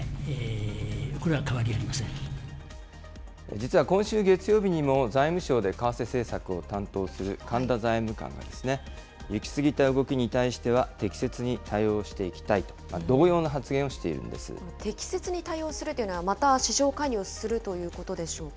実は今週月曜日にも財務省で為替政策を担当する神田財務官が、行きすぎた動きに対しては適切に対応していきたいと、適切に対応するというのは、また市場介入をするということでしょうか。